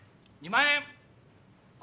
２万円！